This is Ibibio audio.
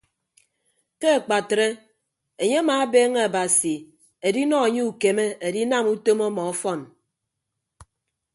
Ke akpatre enye amaabeeñe abasi edinọ anye ukeme adinam utom ọmọ ọfọn.